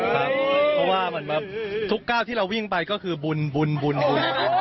เพราะว่ามันแบบทุกก้าวที่เราวิ่งไปก็คือบุญบุญบุญบุญ